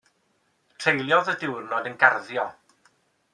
Treuliodd y diwrnod yn garddio.